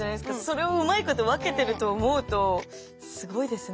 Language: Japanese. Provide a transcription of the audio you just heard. それをうまいこと分けてると思うとすごいですね。